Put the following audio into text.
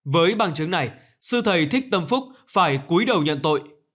với bằng chứng này sư thầy thích tâm phúc phải cuối đầu nhận tội